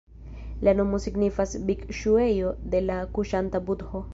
La nomo signifas "Bikŝuejo de la kuŝanta budho".